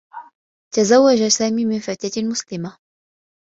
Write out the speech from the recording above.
تزوّج سامي من فتاة مسلمة.